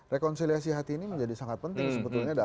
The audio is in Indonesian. rekonsiliasi hati ini menjadi sangat penting sebetulnya